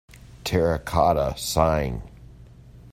Terracotta Sighing.